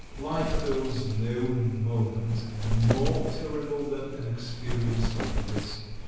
Life holds no moment more terrible than an experience like this.